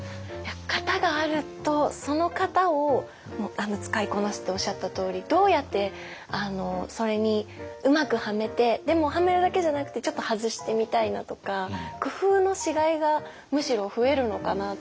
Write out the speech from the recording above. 型があるとその型を使いこなすっておっしゃったとおりどうやってそれにうまくはめてでもはめるだけじゃなくてちょっと外してみたいなとか工夫のしがいがむしろ増えるのかなと。